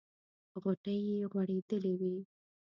غوټۍ یې غوړېدلې وې.